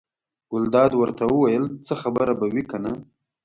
ګلداد ورته وویل: څه خبره به وي کنه.